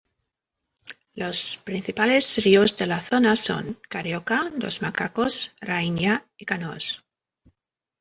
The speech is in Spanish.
Los principales ríos de la zona son: Carioca, dos Macacos, Rainha y Canoas.